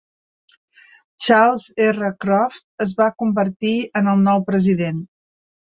Charles R. Croft es va convertir en el nou president.